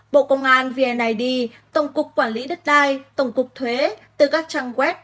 bộ công an vnid tổng cục quản lý đất đai tổng cục thuế từ các trang web